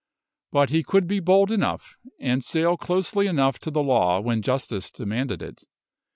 But he could be bold enough, and sail closely enough to the law when justice demanded it.